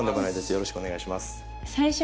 よろしくお願いします。